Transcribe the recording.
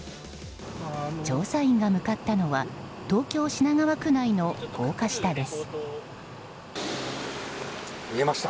調査員が向かったのは東京・品川区内の高架下です。